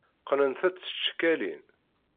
Qqnent-tt s tcekkalin.